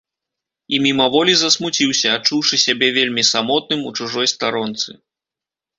І мімаволі засмуціўся, адчуўшы сябе вельмі самотным у чужой старонцы.